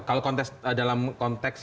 kalau dalam konteks